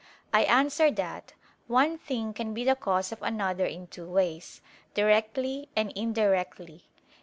I answer that, One thing can be the cause of another in two ways; directly and indirectly.